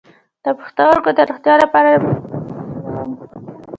د پښتورګو د روغتیا لپاره باید څه مه هیروم؟